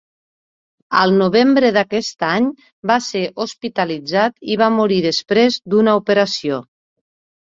Al novembre d'aquest any, va ser hospitalitzat i va morir després d'una operació.